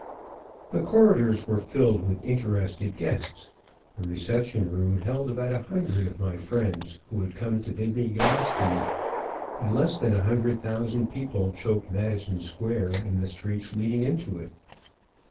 The corridors were filled with interested guests, the reception room held about a hundred of my friends who had come to bid me God speed, and less than a hundred thousand people choked Madison Square and the streets leading into it.